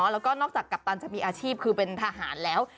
แล้วก็นอกจากกัปตันจะมีอาชีพคือเป็นทหารแล้ว